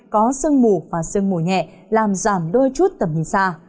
có sương mù và sương mù nhẹ làm giảm đôi chút tầm nhìn xa